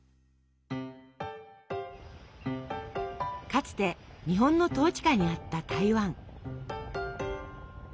かつて日本の統治下にあった台湾。